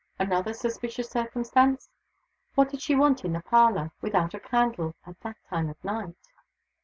Another suspicious circumstance! What did she want in the parlor, without a candle, at that time of night?